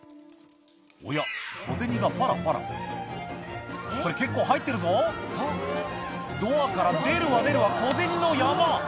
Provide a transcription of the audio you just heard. おや小銭がパラパラこれ結構入ってるぞドアから出るわ出るわ小銭の山！